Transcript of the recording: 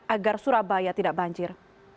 agar surabaya tidak banjir